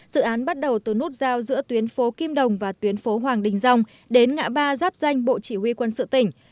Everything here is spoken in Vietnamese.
dự án bắt đầu từ nút giao giữa tuyến phố kim đồng và tuyến phố hoàng đình dòng đến ngã ba giáp danh bộ chỉ huy quân sự tỉnh